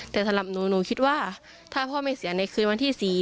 แต่สำหรับหนูหนูคิดว่าถ้าพ่อไม่เสียในคืนวันที่๔